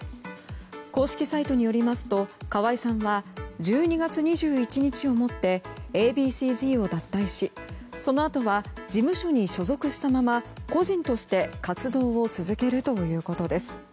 公式サイトによりますと河合さんは１２月２１日をもってＡ．Ｂ．Ｃ‐Ｚを脱退しそのあとは事務所に所属したまま個人として活動を続けるということです。